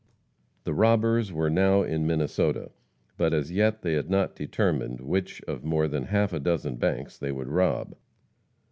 The robbers were now in Minnesota, but as yet they had not determined which of more than half a dozen banks they would rob.